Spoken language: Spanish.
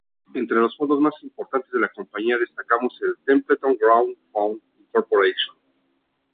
Entre los fondos más importantes de la compañía, destacamos el Templeton Growth Fund, Inc.